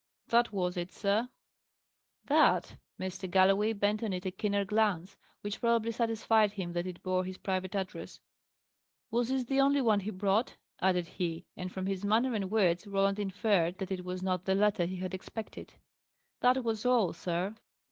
"That was it, sir." "That!" Mr. Galloway bent on it a keener glance, which probably satisfied him that it bore his private address. "Was this the only one he brought?" added he; and from his manner and words Roland inferred that it was not the letter he had expected. "That was all, sir."